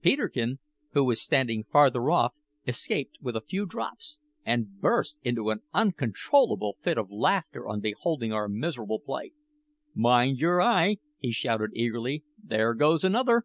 Peterkin, who was standing farther off; escaped with a few drops, and burst into an uncontrollable fit of laughter on beholding our miserable plight. "Mind your eye!" he shouted eagerly; "there goes another!"